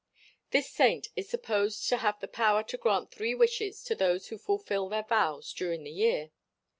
This saint is supposed to have the power to grant three wishes to those who fulfill their vows during the year.